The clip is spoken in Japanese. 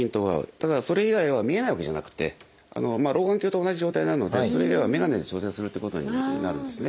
ただそれ以外は見えないわけじゃなくて老眼鏡と同じ状態なのでそれ以外はメガネで調整するということになるんですね。